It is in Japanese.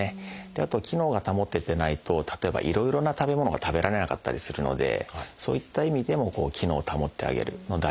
あと機能が保ててないと例えばいろいろな食べ物が食べられなかったりするのでそういった意味でも機能を保ってあげるのは大事かと思います。